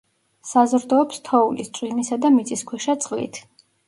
საზრდოობს თოვლის, წვიმისა და მიწისქვეშა წლით.